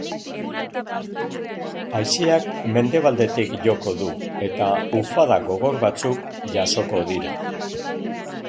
Haizeak mendebaldetik joko du, eta ufada gogor batzuk jasoko dira.